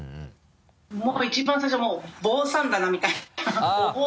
もう１番最初は「坊さんだな」みたいな